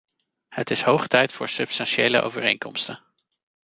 Het is hoog tijd voor substantiële overeenkomsten.